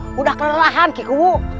sudah kelelahan kikubu